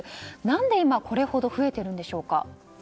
何で今これほど増えているんでしょうか。